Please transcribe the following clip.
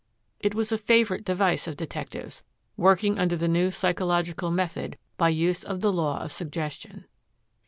It was a favorite device of detectives, working under the new psychological method by use of the law of suggestion.